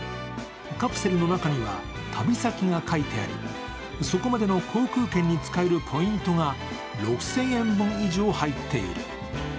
カプセルの中には旅先が書いてありそこまでの航空券に使えるポイントが６０００円分以上入っている。